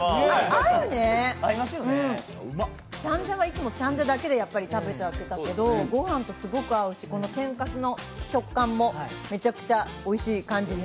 合うね、チャンジャはいつもチャンジャだけで食べてたけど、ご飯とすごく合うし、天かすの食感も、めちゃくちゃおいしい感じに。